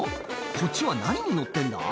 こっちは何に乗ってんだ？